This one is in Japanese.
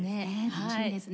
楽しみですね。